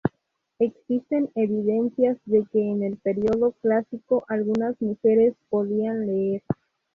Existen evidencias de que en el periodo clásico algunas mujeres podían leer.